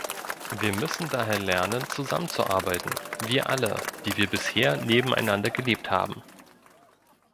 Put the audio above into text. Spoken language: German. Wir müssen daher lernen, zusammenzuarbeiten, wir alle, die wir bisher nebeneinander gelebt haben.